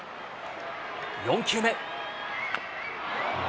４球目。